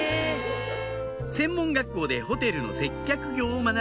専門学校でホテルの接客業を学び